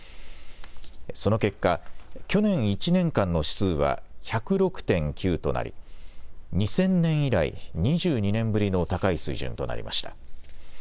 その結果、去年１年間の指数は１０６．９となり２０００年以来、２２年ぶりの高い水準となりました。